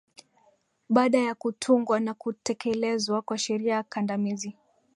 baada ya kutungwa na kutekelezwa kwa sheria kandamizi